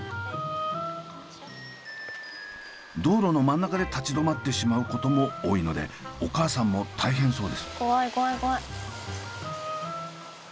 道路の真ん中で立ち止まってしまうことも多いのでお母さんも大変そうです。